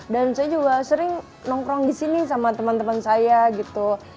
dan saya juga sering nongkrong di sini sama teman teman saya gitu